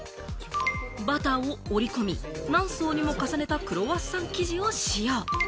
バターを折り込み、何層にも重ねたクロワッサン生地を使用。